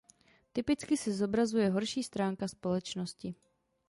Typicky se zobrazuje horší stránka společnosti.